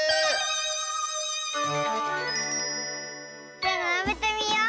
じゃならべてみよう。